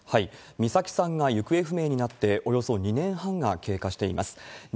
美咲さんが行方不明になって、およそ２年半が経過しています。